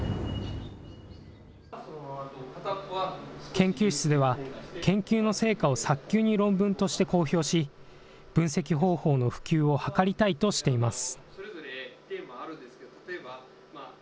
研究室では、研究の成果を早急に論文として公表し、分析方法の普及を図りたいとしています。